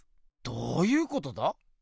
どういうことだ？